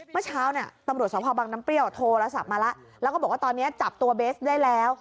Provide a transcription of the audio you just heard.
เมื่อเช้าเนี่ยตำรวจสภบังน้ำเปรี้ยวโทรศัพท์มาแล้วแล้วก็บอกว่าตอนนี้จับตัวเบสได้แล้ว